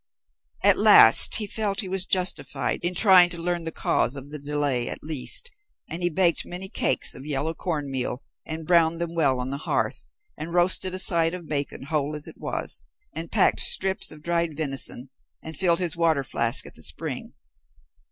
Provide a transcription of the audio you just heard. At last he felt he was justified in trying to learn the cause of the delay at least, and he baked many cakes of yellow corn meal and browned them well on the hearth, and roasted a side of bacon whole as it was, and packed strips of dried venison, and filled his water flask at the spring.